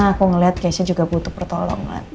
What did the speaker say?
aku ngeliat keisha juga butuh pertolongan